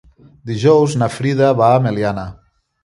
Dijous na Frida va a Meliana.